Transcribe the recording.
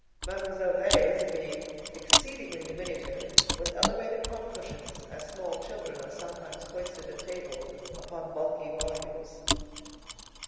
Mademoiselle Reisz, being exceedingly diminutive, was elevated upon cushions, as small children are sometimes hoisted at table upon bulky volumes.